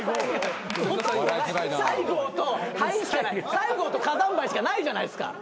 西郷と火山灰しかないじゃないですか。